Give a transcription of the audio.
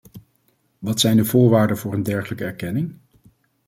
Wat zijn de voorwaarden voor een dergelijke erkenning?